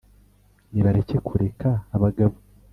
nibareke kureka abagabo